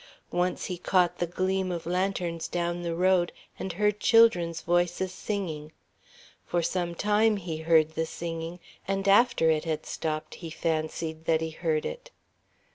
Once he caught the gleam of lanterns down the road and heard children's voices singing. For some time he heard the singing, and after it had stopped he fancied that he heard it.